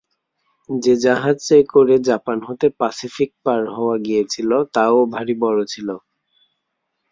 যে জাহাজে করে জাপান হতে পাসিফিক পার হওয়া গিয়েছিল, তাও ভারি বড় ছিল।